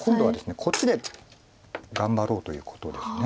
こっちで頑張ろうということです。